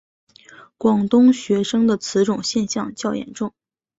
广东学生的此种现象较严重。